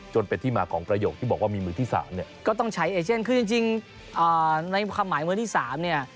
ก็ต้องไปหาความชัดเจนกันเอง